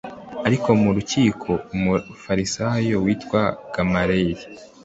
ariko mu rukiko umufarisayo witwaga gamaliyeli